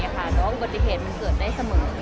แต่ว่าอุบัติเหตุมันเกิดได้เสมออย่างเงี้ยค่ะ